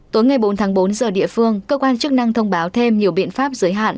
tối ngày bốn tháng bốn giờ địa phương cơ quan chức năng thông báo thêm nhiều biện pháp giới hạn